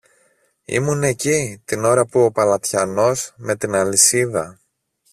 ήμουν εκεί την ώρα που ο παλατιανός με την αλυσίδα